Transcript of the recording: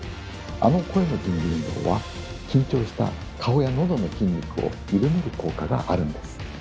あの声の準備運動は緊張した顔や喉の筋肉を緩める効果があるんです。